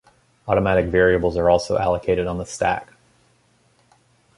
Automatic variables are also allocated on the stack.